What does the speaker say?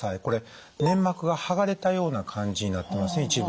これ粘膜が剥がれたような感じになってません？